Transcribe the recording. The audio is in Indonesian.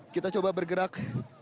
kita coba bergerak